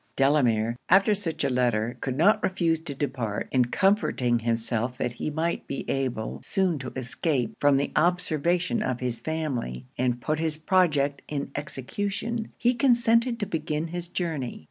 Delamere, after such a letter, could not refuse to depart; and comforting himself that he might be able soon to escape from the observation of his family, and put his project in execution, he consented to begin his journey.